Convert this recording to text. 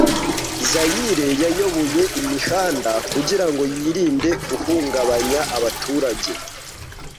Zaire yayoboye imihanda kugirango yirinde guhungabanya abaturage